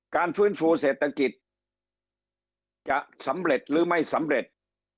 ฟื้นฟูเศรษฐกิจจะสำเร็จหรือไม่สำเร็จ